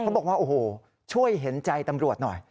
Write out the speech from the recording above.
บอกว่าโอ้โหช่วยเห็นใจตำรวจหน่อย